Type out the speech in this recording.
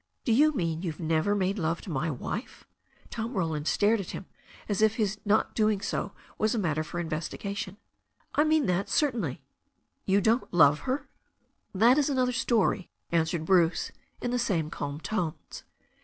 "Do you mean you've never made love to my wife ?" Tom Roland stared at him as if his not doing so was a matter for investigation. "I mean that, certainly." "You don't love her?" "That is another story," answered Bruce, in the same calm tones.